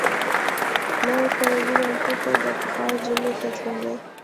نو ورته یې وویل: ته خو به پخوا جمعې ته تللې.